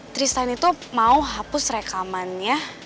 trisin itu mau hapus rekamannya